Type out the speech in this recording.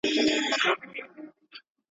چي یې وکتل قصاب نه وو بلا وه.